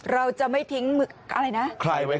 เราจะไม่ทิ้งอะไรนะ